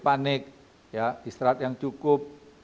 panik istirahat yang cukup